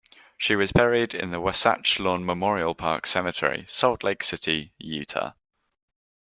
She was buried in the Wasatch Lawn Memorial Park Cemetery, Salt Lake City, Utah.